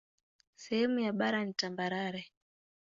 Sehemu ya bara ni tambarare.